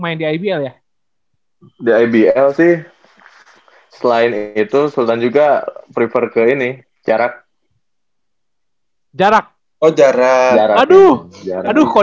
ini abu makin seneng aja nih